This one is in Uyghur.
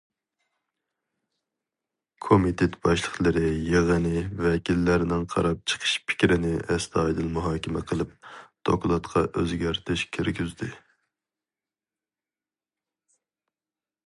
كومىتېت باشلىقلىرى يىغىنى ۋەكىللەرنىڭ قاراپ چىقىش پىكرىنى ئەستايىدىل مۇھاكىمە قىلىپ، دوكلاتقا ئۆزگەرتىش كىرگۈزدى.